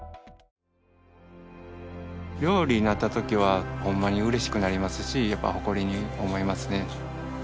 料理になったときはホンマに嬉しくなりますしやっぱ誇りに思いますね。